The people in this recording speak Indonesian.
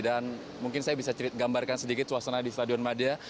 dan mungkin saya bisa gambarkan sedikit suasana di stadion madya